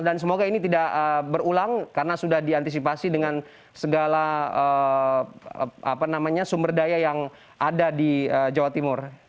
dan semoga ini tidak berulang karena sudah diantisipasi dengan segala sumber daya yang ada di jawa timur